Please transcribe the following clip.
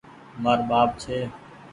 مآر ٻآپ ڇي۔